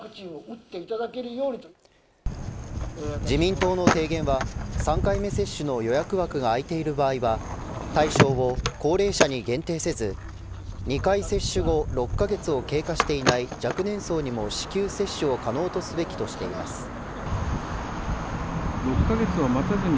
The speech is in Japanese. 自民党の提言は３回目接種の予約枠が空いている場合は対象を高齢者に限定せず２回接種後６カ月を経過していない若年層にも至急接種を可能するべきとしています。